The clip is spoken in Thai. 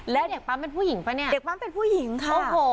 แล้วเด็กปั๊มเป็นผู้หญิงป่ะเนี่ยเด็กปั๊มเป็นผู้หญิงค่ะโอ้โห